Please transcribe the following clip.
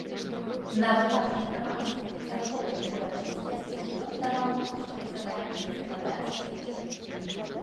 На выпадкі грамадскіх і царкоўных урачыстасцей ён даваў вучням заданні складаць вершы.